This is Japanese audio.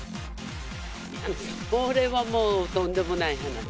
それはもう、とんでもない話。